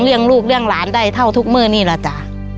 ลูกเลี่ยงหลานได้เท่าทุกเมื่อนี่แหละจ้ะ